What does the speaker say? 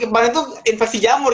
panu itu infeksi jamur